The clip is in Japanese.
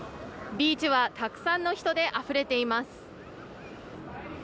ビーチはたくさんの人であふれています。